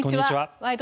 「ワイド！